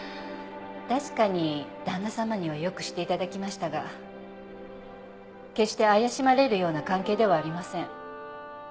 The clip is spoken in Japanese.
確かに旦那様には良くして頂きましたが決して怪しまれるような関係ではありません。